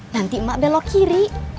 nanti emak belok kiri